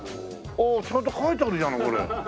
おおちゃんと描いてあるじゃないこれ。